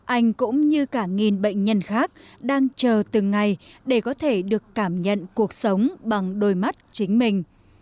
anh cũng như cả nghìn bệnh nhân khác đang chờ từng ngày để có thể được cảm nhận cuộc sống bằng đôi mắt chính mình